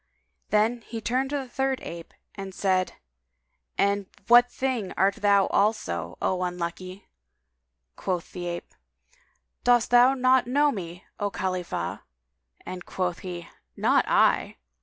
Then he turned to the third ape and said, "And what thing art thou also, O unlucky?" Quoth the ape, "Dost thou not know me, O Khalifah!"; and quoth he, "Not I!"